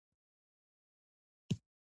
ما وويل ډاکتر عرفان يې بيا څوک دى.